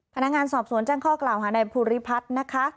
พนักงานสอบสวนแจ้งข้อกล่าวหาในภูริพัฒน์นะคะ